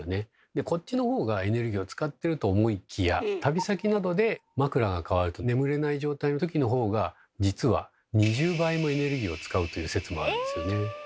でこっちの方がエネルギーを使ってると思いきや旅先などで枕がかわると眠れない状態の時の方が実は２０倍もエネルギーを使うという説もあるんですよね。